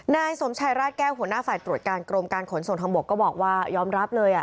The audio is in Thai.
นายสมชัยราชแก้วหัวหน้าฝ่ายตรวจการกรมการขนส่งทางบกก็บอกว่ายอมรับเลย